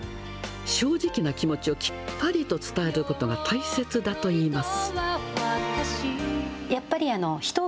正直な気持ちをきっぱりと伝えることが大切だといいます。